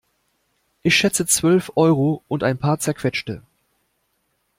Ich schätze zwölf Euro und ein paar Zerquetschte.